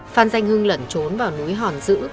phan danh hưng lẩn trốn vào núi hòn dữ